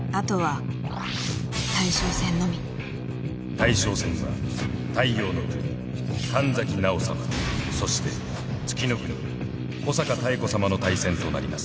大将戦は太陽ノ国神崎直さまそして月ノ国小坂妙子さまの対戦となります。